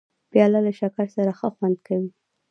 پیاله له شکر سره ښه خوند کوي.